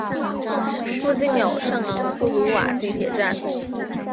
附近有圣昂布鲁瓦地铁站。